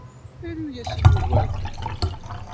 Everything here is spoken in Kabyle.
Aru-yas i Yugurten!